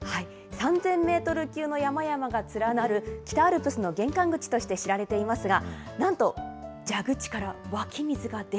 ３０００メートル級の山々が連なる、北アルプスの玄関口として知られていますが、なんと、蛇口から？